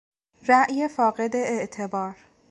رای فاقد اعتبار